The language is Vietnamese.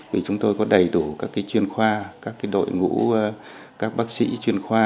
vì chúng tôi có đầy đủ các cái chuyên khoa các cái đội ngũ các bác sĩ chuyên khoa